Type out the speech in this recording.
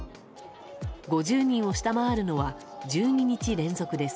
５０人を下回るのは１２日連続です。